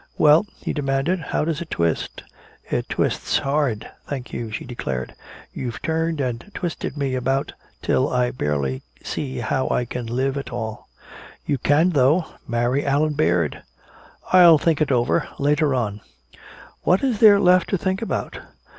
"Well?" he demanded. "How does it twist?" "It twists hard, thank you," she declared. "You've turned and twisted me about till I barely see how I can live at all!" "You can, though! Marry Allan Baird!" "I'll think it over later on." "What is there left to think about?